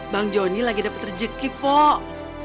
bang jonny lagi dapet rezeki pok